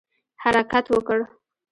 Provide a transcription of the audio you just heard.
حرکت وکړ.